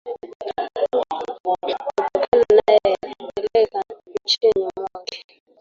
kutokana na yeye kupeleka nchini mwake